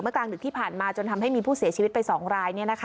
กลางดึกที่ผ่านมาจนทำให้มีผู้เสียชีวิตไป๒ราย